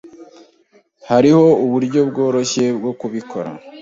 Hariho uburyo bworoshye bwo kubikora.